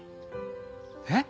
えっ！？